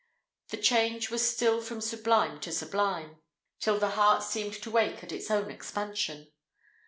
The change was still from sublime to sublime, till the heart seemed to ache at its own expansion.